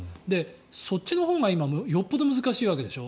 そっちのほうが今よっぽど難しいわけでしょう。